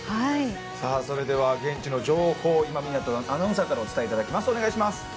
それでは現地の情報を今湊アナウンサーからお伝えいただきます。